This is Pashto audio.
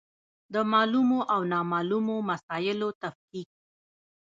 د معلومو او نامعلومو مسایلو تفکیک.